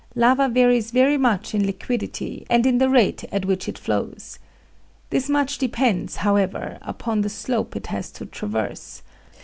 Lava varies very much in liquidity and in the rate at which it flows. This much depends, however, upon the slope it has to traverse.